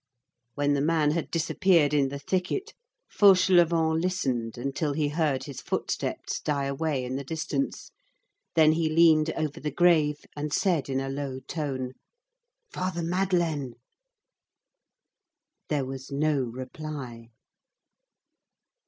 When the man had disappeared in the thicket, Fauchelevent listened until he heard his footsteps die away in the distance, then he leaned over the grave, and said in a low tone:— "Father Madeleine!" There was no reply.